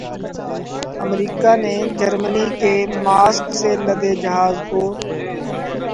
امریکا نے جرمنی کے ماسک سے لدے جہاز کو